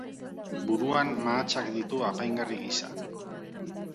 Buruan mahatsak ditu apaingarri gisa.